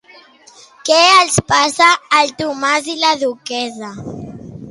Què els passa al Thomas i la Duquessa?